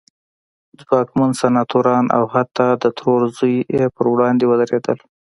ځواکمن سناتوران او حتی د ترور زوی پر وړاندې ودرېدل.